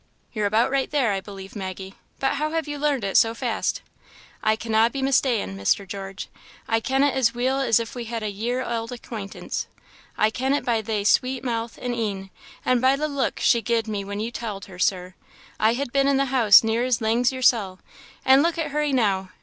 "You're about right there, I believe, Maggie; but how have you learned it so fast?" "I canna be mista'en, Mr. George; I ken it as weel as if we had a year auld acquentance; I ken it by thae sweet mouth and een, and by the look she gied me when you tauld her, Sir, I had been in the house near as lang's yoursel. An' look at her eenow.